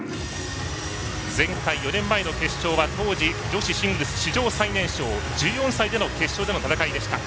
前回、４年前の決勝は当時、女子シングルス史上最年少１４歳での決勝での戦いでした。